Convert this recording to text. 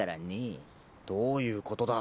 どういうことだ。